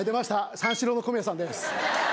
三四郎の小宮さんです。